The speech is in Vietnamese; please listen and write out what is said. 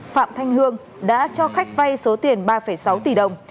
phạm thanh hương đã cho khách vay số tiền ba sáu tỷ đồng